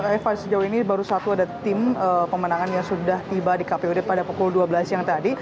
eva sejauh ini baru satu ada tim pemenangan yang sudah tiba di kpud pada pukul dua belas siang tadi